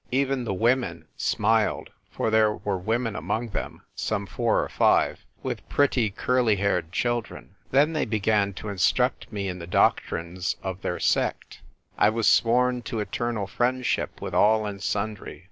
Even the women smiled — for there were women among them, some four or five, with pretty curly haired children. Then they began to instruct me in the doc trines of their sect. I was sworn to eternal friendship with all and sundry.